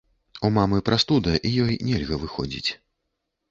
У мамы прастуда і ёй нельга выходзіць.